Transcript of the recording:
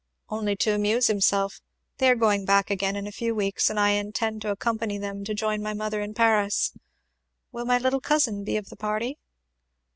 "Only to amuse himself. They are going back again in a few weeks, and I intend accompanying them to join my mother in Paris. Will my little cousin be of the party?"